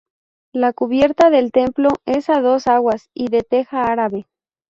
La cubierta del templo es a dos aguas y de teja árabe.